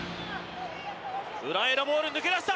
裏へのボール抜け出した！